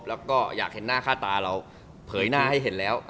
แล้วก็อยากเห็นหน้าค่าตาเราเผยหน้าให้เห็นแล้ว